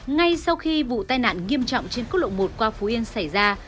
ngay sau khi vụ tai nạn nghiêm trọng trên quốc lộ một qua phú yên xảy ra